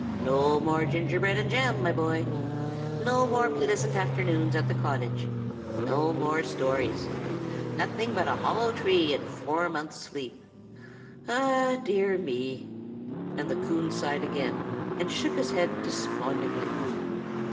No more gingerbread and jam, my boy. No more pleasant afternoons at the cottage; no more stories. Nothing but a hollow tree and four months' sleep. Ah, dear me!" and Coon sighed again, and shook his head despondingly.